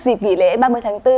dịp nghỉ lễ ba mươi tháng bốn